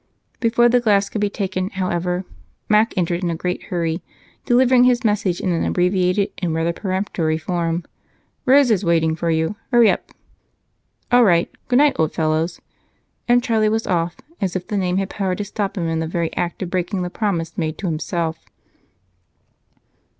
Before the glass could be taken, however, Mac entered in a great hurry, delivering his message in an abbreviated and rather peremptory form: "Rose is waiting for you. Hurry up!" "All right. Good night, old fellows!" And Charlie was off, as if the name had power to stop him in the very act of breaking the promise made to himself.